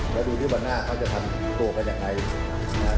แล้วดูที่บันหน้าเขาจะทำโตกันยังไง